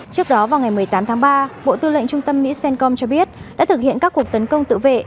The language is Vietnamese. trước đó vào ngày một mươi tám tháng ba bộ tư lệnh trung tâm mỹ cencom cho biết đã thực hiện các cuộc tấn công tự vệ